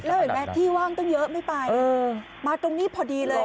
แล้วเห็นไหมที่ว่างตั้งเยอะไม่ไปมาตรงนี้พอดีเลย